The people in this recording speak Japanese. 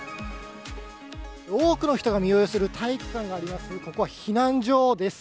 多くの人が身を寄せる体育館があります、ここは避難所です。